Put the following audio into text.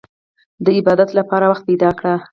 د عبادت لپاره وخت پيدا کړئ.